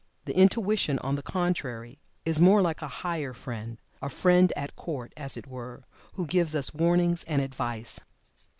The Intuition, on the contrary, is more like a higher friend a friend at court, as it were, who gives us warnings and advice.